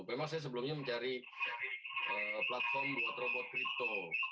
memang saya sebelumnya mencari platform buat robot kripto